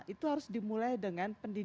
itu harus dimulai dengan pendidikan